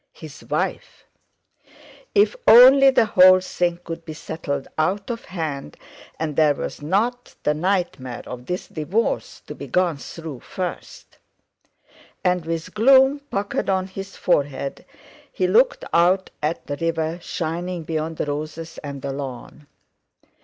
His wife! If only the whole thing could be settled out of hand, and there was not the nightmare of this divorce to be gone through first; and with gloom puckered on his forehead, he looked out at the river shining beyond the roses and the lawn.